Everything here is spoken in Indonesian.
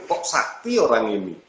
pok sakti orang ini